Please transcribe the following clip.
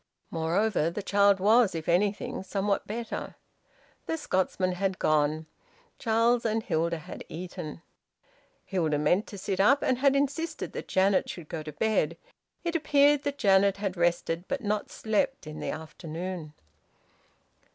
Moreover, the child was if anything somewhat better. The Scotsman had gone. Charles and Hilda had eaten. Hilda meant to sit up, and had insisted that Janet should go to bed; it appeared that Janet had rested but not slept in the afternoon.